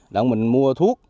là mình mua thuốc